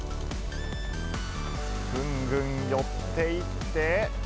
ぐんぐん寄っていって。